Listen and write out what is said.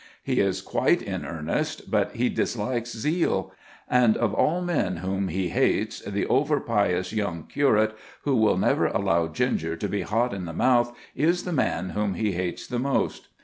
He is quite in earnest, but he dislikes zeal; and of all men whom he hates, the over pious young curate, who will never allow ginger to be hot in the mouth, is the man whom he hates the most.